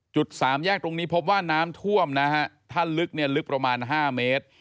สามแยกตรงนี้พบว่าน้ำท่วมนะฮะถ้าลึกเนี่ยลึกประมาณ๕เมตร